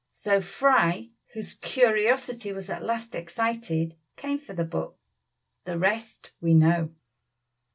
So Fry, whose curiosity was at last excited, came for the book. The rest we know.